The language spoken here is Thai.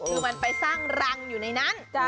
คือมันไปสร้างรังอยู่ในนั้น